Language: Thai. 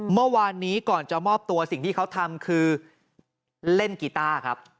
เมื่อวานนี้ก่อนจะมอบตัวสิ่งที่เขาทำคือเล่นกีต้าครับ